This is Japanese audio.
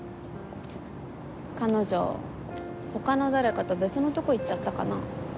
彼女他の誰かと別のとこ行っちゃったかな？